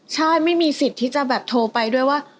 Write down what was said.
ใช่ไม่มีสิทธิ์ที่จะแบบโทรไปด้วยว่า